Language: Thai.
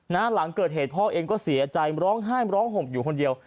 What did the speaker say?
หลังเกิดเหตุพ่อเองก็เสียใจร้องไห้ร้องห่มอยู่คนเดียว